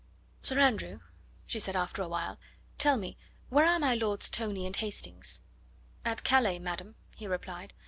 "Sir Andrew," she said after a while, "tell me, where are my Lords Tony and Hastings?" "At Calais, madam," he replied.